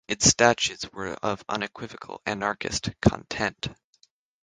Its statutes were of unequivocal anarchist content.